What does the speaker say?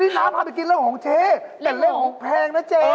นี่น้าพาไปกินเล่งหงเจแต่เล่งหงแพงนะเจ